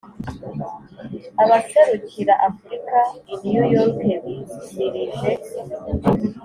abaserukira afurika i new york bimirije